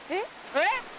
えっ！